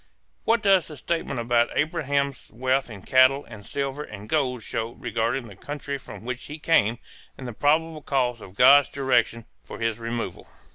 What does the statement about Abraham's wealth in cattle and silver and gold show regarding the country from which he came and the probable cause of God's direction for his removal?